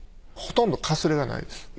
ほとんどかすれがないです。